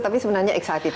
tapi sebenarnya excited